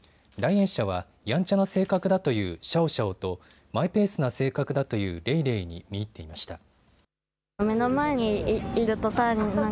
来園者はやんちゃな性格だというシャオシャオとマイペースな性格だというレイレイに見入っていました。